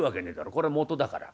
これ元だから。